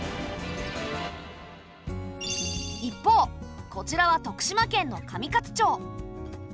一方こちらは徳島県の上勝町。